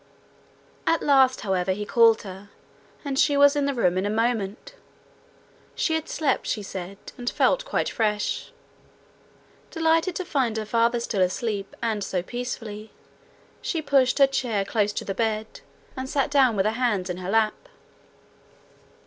At last, however, he called her, and she was in the room in a moment. She had slept, she said, and felt quite fresh. Delighted to find her father still asleep, and so peacefully, she pushed her chair close to the bed, and sat down with her hands in her lap.